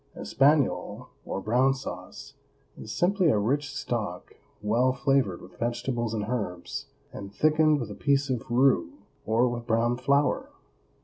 ESPAGNOLE, or brown sauce, is simply a rich stock well flavored with vegetables and herbs, and thickened with a piece of roux or with brown flour.